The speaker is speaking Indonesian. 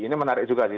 ini menarik juga sih